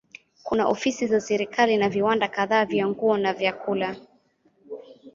Kuna ofisi za serikali na viwanda kadhaa vya nguo na vyakula.